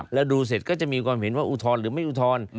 แล้วดูเสร็จก็จะมีความเห็นว่าอุทธรณ์หรือไม่อุทธรณ์